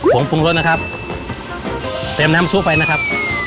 งปรุงรสนะครับเติมน้ำซุปไปนะครับ